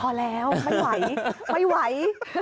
พอแล้วไม่ไหวไม่ไหว